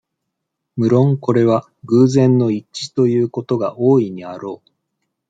むろんこれは、偶然の一致ということが大いにあろう。